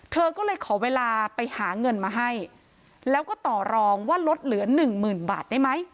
เธอก็เลยขอเวลาไปหาเงินมาให้แล้วก็ต่อรองว่าลดเหลือหนึ่งหมื่นบาทได้ไหม